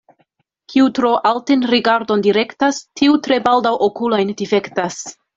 Kiu tro alten rigardon direktas, tiu tre baldaŭ okulojn difektas.